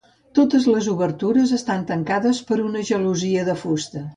Totes les obertures estan tancades per una gelosia de fusta.